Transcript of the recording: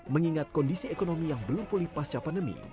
mengingat kondisi ekonomi yang belum pulih pasca pandemi